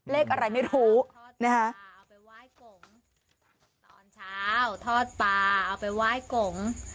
เลขอะไรไม่รู้นะคะเอาไปไหว้กงตอนเช้าทอดปลาเอาไปไหว้กง